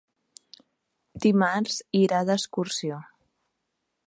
Dimarts irà d'excursió.